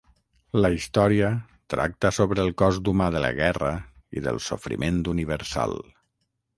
La història tracta sobre el cost humà de la guerra i del sofriment universal.